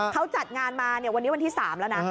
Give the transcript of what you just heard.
เขาจัดงานมาวันนี้วันที่๓แล้วนะ